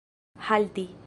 halti